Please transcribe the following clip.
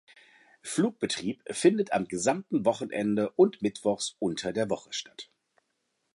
Flugbetrieb findet am gesamten Wochenende und mittwochs unter der Woche statt.